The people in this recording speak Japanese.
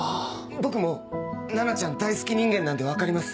僕も菜奈ちゃん大好き人間なんで分かります。